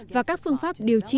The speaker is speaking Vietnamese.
và các phương pháp điều khiển